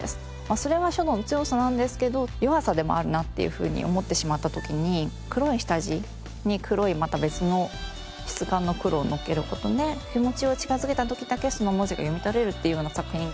それは書道の強さなんですけど弱さでもあるなっていうふうに思ってしまった時に黒い下地に黒いまた別の質感の黒をのっける事で気持ちを近づけた時だけその文字が読み取れるっていうような作品。